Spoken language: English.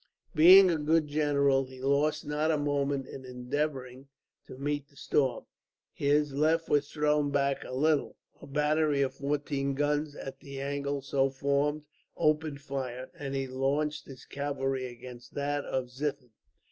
Being a good general, he lost not a moment in endeavouring to meet the storm. His left was thrown back a little, a battery of fourteen guns at the angle so formed opened fire, and he launched his cavalry against that of Ziethen.